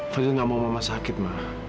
fadil gak mau mama sakit ma